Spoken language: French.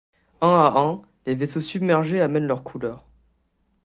Un à un les vaisseaux submergés amènent leur couleur.